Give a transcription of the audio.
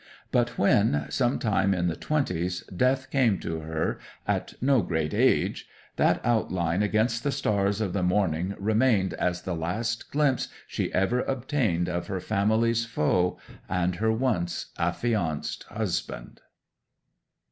But when, some time in the 'twenties, death came to her, at no great age, that outline against the stars of the morning remained as the last glimpse she ever obtained of her family's foe and her once affianced husband.'